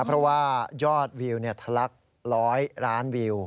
เพราะว่ายอดวิวทะลัก๑๐๐ล้านวิว